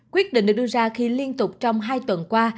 quyết định được đưa ra khi liên tục trong hai tuần qua